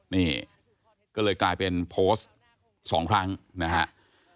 นี่ก็เลยกลายเป็นโพสต์๒ครั้งนะครับ